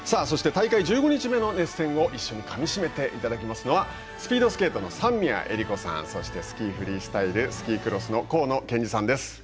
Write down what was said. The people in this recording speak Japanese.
そして大会１５日目の熱戦を一緒にかみしめていただきますのはスピードスケートの三宮恵利子さんスキーフリースタイルスキークロスの河野健児さんです。